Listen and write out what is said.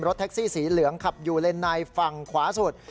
แท็กซี่สีเหลืองขับอยู่เลนในฝั่งขวาสุด